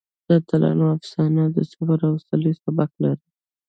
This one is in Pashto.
د اتلانو افسانه د صبر او حوصلې سبق لري.